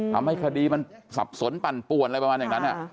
ทำให้คดีมันสับสนปั่นป่วนอะไรประมาณอย่างนั้น